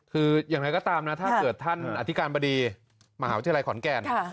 คืออย่างไรก็ตามนะถ้าเกิดท่านอธิการบดีมหาวิทยาลัยขอนแก่น